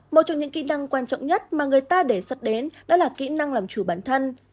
một trong những kỹ năng quan trọng nhất mà người ta đề xuất đến đó là kỹ năng làm chủ bản thân